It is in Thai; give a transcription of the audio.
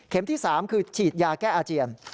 เข็มที่สามคือฉีดยาแก้อาเจียน